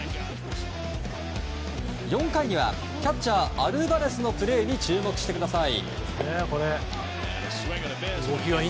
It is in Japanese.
４回には、キャッチャーアルバレスのプレーに注目してください。